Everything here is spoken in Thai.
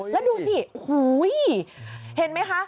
แล้วดูสิโอ้โหเห็นไหมคะ